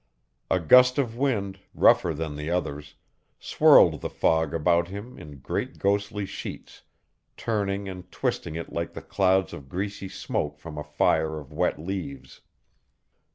A gust of wind, rougher than the others, swirled the fog about him in great ghostly sheets, turning and twisting it like the clouds of greasy smoke from a fire of wet leaves.